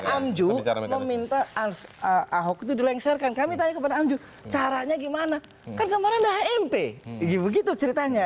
anjur meminta ahok itu dilengsarkan kami tanya kepada anju caranya gimana karena mp begitu ceritanya